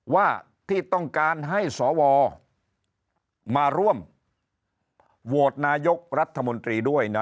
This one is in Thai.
ว่าที่ต้องการให้สวมาร่วมโหวตนายกรัฐมนตรีด้วยนะ